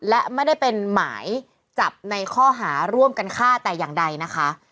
และไม่ได้เป็นหมายจับในข้อหาร่วมกันฆ่าแต่อย่างใดนะคะ